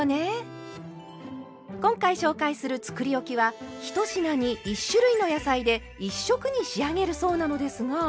今回紹介するつくりおきは１品に１種類の野菜で１色に仕上げるそうなのですが。